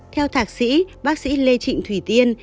theo thạc sĩ bác sĩ lê trịnh thủy tiên